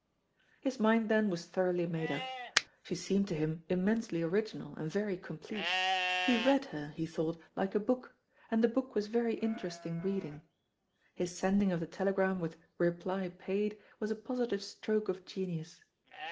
His mind, then, was thoroughly made up. She seemed to him immensely original and very complete. He read her, he thought, like a book, and the book was very interesting reading. His sending of the telegram with "Reply paid," was a positive stroke of genius.